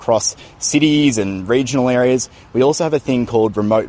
kita juga memiliki hal yang disebutkan sebagai perusahaan penduduk remote